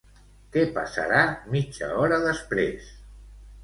Què passarà mitja hora després?